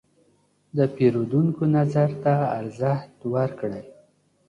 د پیرودونکو نظر ته ارزښت ورکړئ.